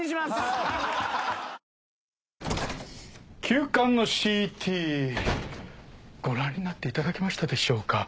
急患のＣＴご覧になっていただけましたでしょうか？